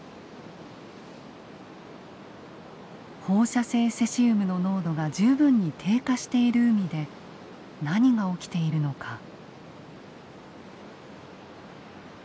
放射性セシウムの濃度が十分に低下している海で何が起きているのか。